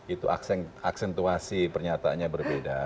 itu aksentuasi pernyataannya berbeda